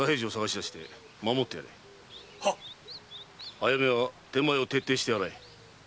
あやめは天満屋を徹底して洗え。